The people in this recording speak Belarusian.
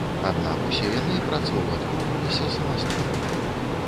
Аднак усе яны працаўладкоўваліся самастойна.